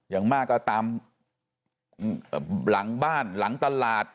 อย่างมากก็ตามหลังบ้านหลังตลาด